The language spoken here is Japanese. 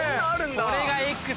これがＸ。